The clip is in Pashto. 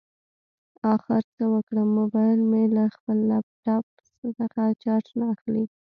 اخر څه وکړم؟ مبایل مې له خپل لاپټاپ څخه چارج نه اخلي